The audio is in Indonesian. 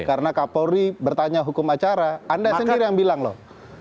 karena kapolri bertanya hukum acara anda sendiri yang bilang loh